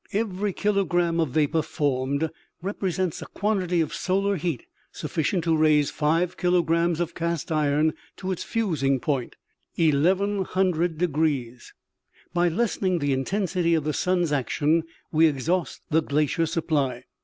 Every kilogram of vapor formed represents a quantity of solar heat sufficient to raise five kilograms of cast iron to its fusing point (no ). By lessening the intensity of the sun's action we exhaust the glacier supply.